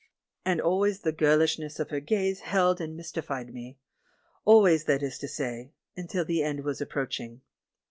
And always the girl ishness of her gaze held and mystified me — al ways, that is to say, until the end was approach ing.